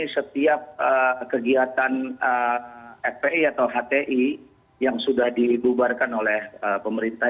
setiap kegiatan fpi atau hti yang sudah dibubarkan oleh pemerintah